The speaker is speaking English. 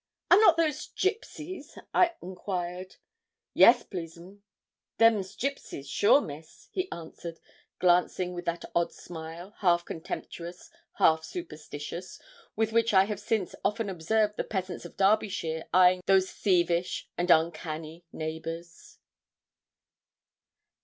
'Are not those gipsies?' I enquired. 'Yes, please'm, them's gipsies, sure, Miss,' he answered, glancing with that odd smile, half contemptuous, half superstitious, with which I have since often observed the peasants of Derbyshire eyeing those thievish and uncanny neighbours.